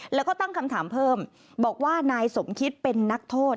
แล้วก็ตั้งคำถามเพิ่มบอกว่านายสมคิดเป็นนักโทษ